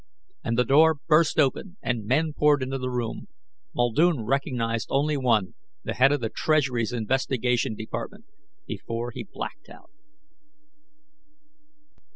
And the door burst open and men poured into the room. Muldoon recognized only one, the head of the Treasury's investigation department, before he blacked out.